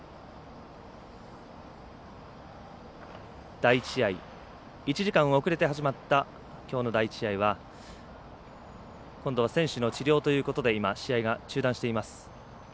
第１試合１時間遅れて始まったきょうの第１試合は今度は選手の治療ということで今、試合が中断しています。